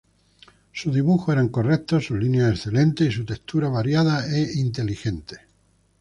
Sus dibujos eran correctos, sus líneas excelentes y sus texturas variadas e inteligentes.